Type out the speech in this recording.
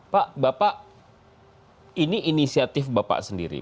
pak bapak ini inisiatif bapak sendiri